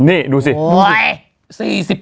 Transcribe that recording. นี่ดูสิ